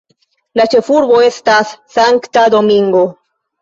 La ĉefurbo estas Sankta Domingo.